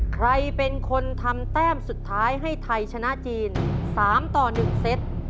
ใครเป็นคนทำแต้มสุดท้ายให้ไทยชนะจีน๓ต่อ๑เซต